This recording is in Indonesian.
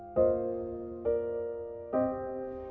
selamat pagi ibu bagaimana